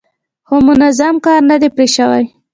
خو منظم کار نه دی پرې شوی.